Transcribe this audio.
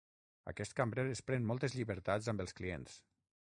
Aquest cambrer es pren moltes llibertats amb els clients.